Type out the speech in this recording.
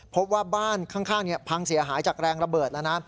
พบว่าบ้านข้างพังเสียหายจากแรงระเบิดแล้วนะ